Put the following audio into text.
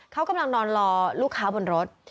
เขากำลังนอนรอลูกค้าบนรถ